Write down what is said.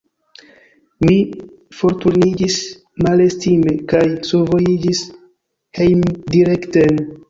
Mi forturniĝis malestime kaj survojiĝis hejmdirekten.